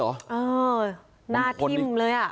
เออหน้าทิ้งเลย